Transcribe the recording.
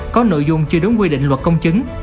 có nội dung chưa đúng quy định luật công chứng